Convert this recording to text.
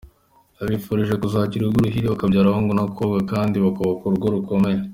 Yabifurije kuzagira urugo ruhire bakabyara hungu na kobwa kandi bakubaka urugo rukomeye.